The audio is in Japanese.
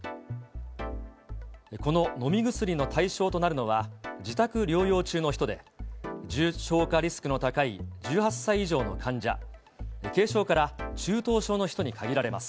この飲み薬の対象となるのは、自宅療養中の人で、重症化リスクの高い１８歳以上の患者、軽症から中等症の人に限られます。